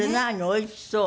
おいしそう。